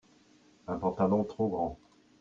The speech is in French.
un pantalon trop grand.